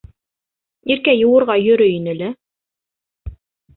Иркә йыуырға йөрөй ине лә...